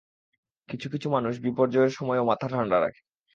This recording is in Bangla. কিছু-কিছু মানুষ বিপর্যয়ের সময়ও মাথা ঠাণ্ডা রাখে।